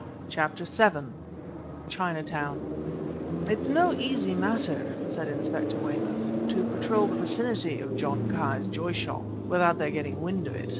CHAPTER VII CHINATOWN "It's no easy matter," said Inspector Weymouth, "to patrol the vicinity of John Ki's Joy Shop without their getting wind of it.